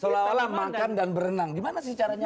seolah olah makan dan berenang gimana sih caranya